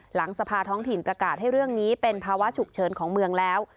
หลังสภาท้องถิ่นประกาศให้เรื่องนี้เป็นภาวะฉุกเฉินของเมืองแล้ว